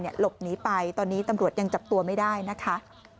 หลบหนีไปตอนนี้ตำรวจยังจับตัวไม่ได้นะคะ